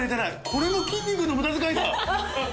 これも筋肉の無駄遣いだ！